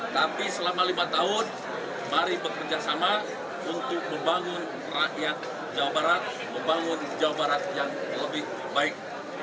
tapi selama lima tahun mari bekerjasama untuk membangun rakyat jawa barat membangun jawa barat yang lebih baik